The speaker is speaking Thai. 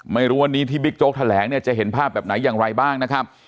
ไม่รู้วันนี้ที่บิ๊กโจ๊กแถลงเนี่ยจะเห็นภาพแบบไหนอย่างไรบ้างนะครับ